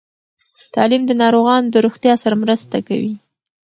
تعلیم د ناروغانو د روغتیا سره مرسته کوي.